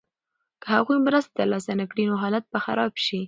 که هغوی مرسته ترلاسه نکړي نو حالت به خراب شي.